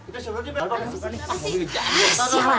kau takutkan aku salah